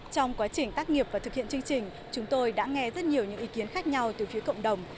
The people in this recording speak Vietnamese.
trong quá trình tác nghiệp và thực hiện chương trình chúng tôi đã nghe rất nhiều những ý kiến khác nhau từ phía cộng đồng